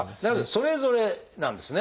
それぞれなんですね。